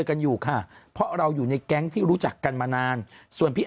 กันอยู่ค่ะเพราะเราอยู่ในแก๊งที่รู้จักกันมานานส่วนพี่